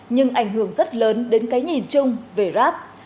nhưng ảnh hưởng rất lớn đến cái nhìn chung về rap